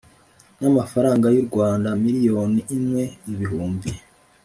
n amafaranga y u rwanda miliyoni imwe ibihumbi